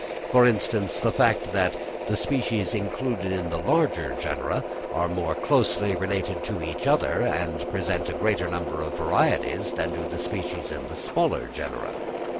For instance, the fact that the species included in the larger genera are more closely related to each other, and present a greater number of varieties than do the species in the smaller genera.